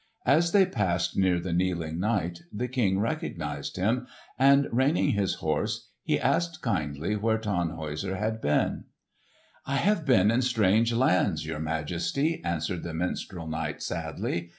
As they passed near the kneeling knight the King recognised him, and reining his horse he asked kindly where Tannhäuser had been. "I have been in strange lands, your Majesty," answered the minstrel knight sadly.